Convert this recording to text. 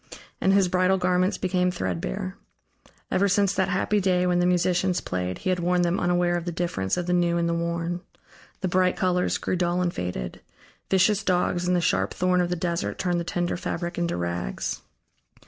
And his bridal garments became threadbare. Ever since that happy day, when the musicians played, he had worn them unaware of the difference of the new and the worn. The bright colors grew dull and faded; vicious dogs and the sharp thorn of the Desert turned the tender fabric into rags.